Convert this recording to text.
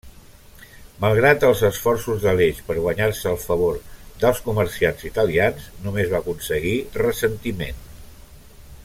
Malgrat els esforços d'Aleix per guanyar-se el favor dels comerciants italians, només va aconseguir ressentiment.